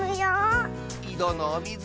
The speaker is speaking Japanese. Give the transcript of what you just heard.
いどのおみず